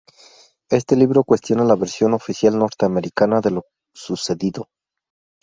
Este libro cuestiona la versión oficial norteamericana de lo sucedido.